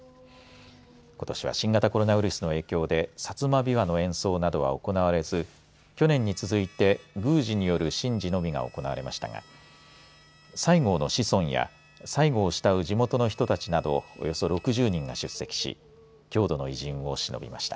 ことしは新型コロナウイルスの影響で薩摩琵琶の演奏などは行われず去年に続いて宮司による神事のみが行われましたが西郷の子孫や西郷を慕う地元の人たちなどおよそ６０人が出席し郷土の偉人をしのびました。